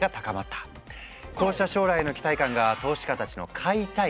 こうした将来への期待感が投資家たちの「買いたい」